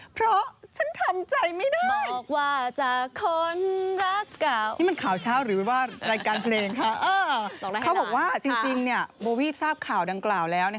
เพราะฉันทำใจไม่ได้